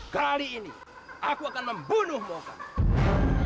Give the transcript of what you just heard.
kali ini aku akan membunuhmu oka